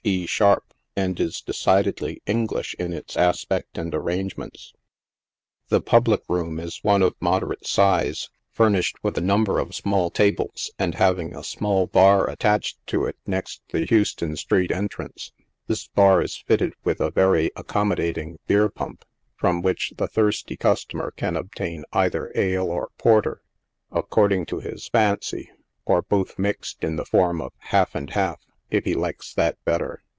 E. Sharp, and is decidedly English in its aspect and arrangements. The public room i3 one of moderate size, furnished with a number 66 NIGHT SIDE OF NEW YORK. of small tables, and having a small bar attached to it next the Hous ton street entrance. This bar is fitted witb a very accommodating beer pump, from which the thirsty customer can obtain either ale or porter, according to his fancy, or both mixed in the form of "half and half," if he likes that better.